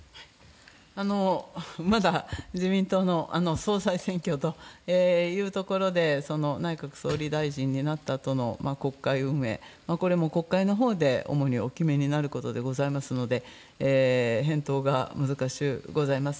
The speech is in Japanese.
まだ、自民党の総裁選挙というところで、内閣総理大臣になったあとの国会運営、これも国会のほうで主にお決めになることでございますので、返答が難しゅうございます。